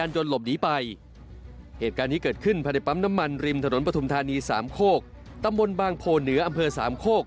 จากปราณีสามโคกตำบลบางโพเหนืออำเภอสามโคก